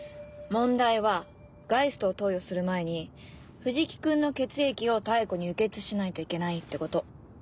問題はガイストを投与する前に藤木君の血液を妙子に輸血しないといけないってこと。